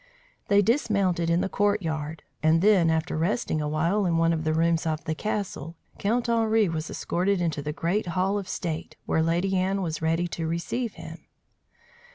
They dismounted in the courtyard, and then, after resting awhile in one of the rooms of the castle, Count Henri was escorted into the great hall of state, where Lady Anne was ready to receive him.